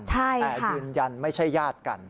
แต่ยืนยันไม่ใช่ญาติกัน